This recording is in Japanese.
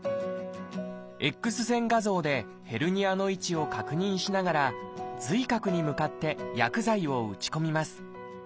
Ｘ線画像でヘルニアの位置を確認しながら髄核に向かって薬剤を打ち込みます。